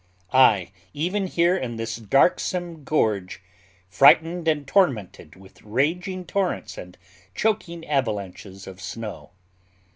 Ay, even here in this darksome gorge, "frightened and tormented" with raging torrents and choking avalanches of snow.